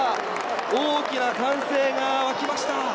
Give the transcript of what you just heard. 大きな歓声が沸きました。